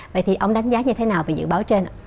vậy thì ông đánh giá như thế nào về dự báo trên ạ